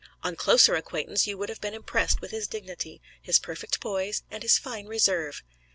On closer acquaintance you would have been impressed with his dignity, his perfect poise and his fine reserve.